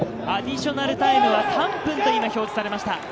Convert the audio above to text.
アディショナルタイムは３分と表示されました。